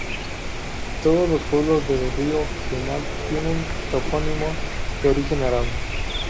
Todos los pueblos del río Genal tienen topónimos de origen árabe.